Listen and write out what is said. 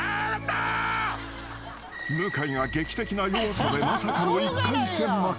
［向井が劇的な弱さでまさかの１回戦負け］